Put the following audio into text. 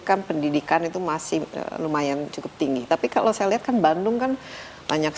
kan pendidikan itu masih lumayan cukup tinggi tapi kalau saya lihat kan bandung kan banyak